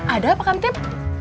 ada pak amtip